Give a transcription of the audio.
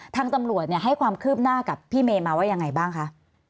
ทางตำรวจให้ความคืบหน้ากับพี่เมย์มาว่ายังไงบ้างคะ